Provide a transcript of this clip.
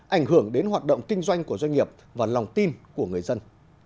ảnh hưởng đến hoạt động kinh doanh của doanh nghiệp và lòng tin của người dân